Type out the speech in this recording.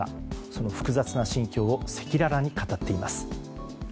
その複雑な心境を赤裸々に語っています。